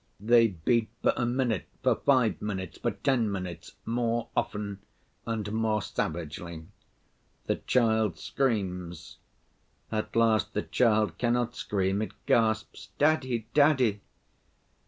They beat for a minute, for five minutes, for ten minutes, more often and more savagely. The child screams. At last the child cannot scream, it gasps, 'Daddy! daddy!